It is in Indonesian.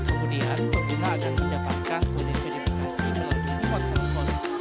kemudian pengguna akan mendapatkan kode verifikasi melalui remote telepon